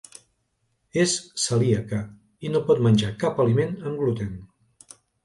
És celíaca i no pot menjar cap aliment amb gluten.